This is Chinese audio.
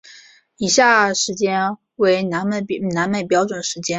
以下时间为南美标准时间。